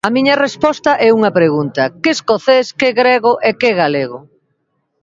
A miña resposta é unha pregunta: Que escocés, que grego e que galego?